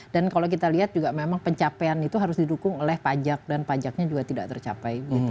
dan kalau kita lihat juga memang pencapaian itu harus didukung oleh pajak dan pajaknya juga tidak tercapai